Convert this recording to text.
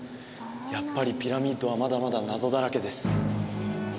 やっぱりピラミッドはまだまだ謎だらけです